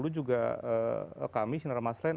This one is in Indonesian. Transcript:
juga kami sinara maslen